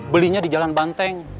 belinya di jalan banteng